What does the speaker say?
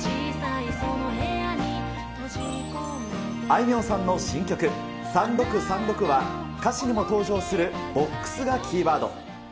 あいみょんさんの新曲、３６３６は、歌詞にも登場するボックスがキーワード。